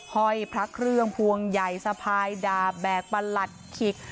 ห้อยพระเครื่องพวงใหญ่สะพายดาบแบกประหลัดขิก